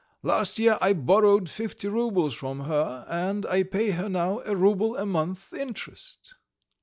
Last year I borrowed fifty roubles from her, and I pay her now a rouble a month interest."